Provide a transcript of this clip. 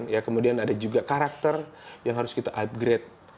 ya kemudian ada juga karakter yang harus kita upgrade